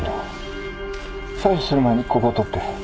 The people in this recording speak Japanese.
採取する前にここを撮って。